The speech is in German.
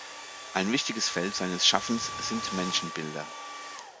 Ein wichtiges Feld seines Schaffens sind Menschenbilder.